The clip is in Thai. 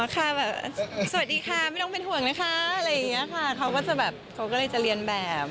เขาก็จะแบบเขาก็เลยจะเรียนแบบ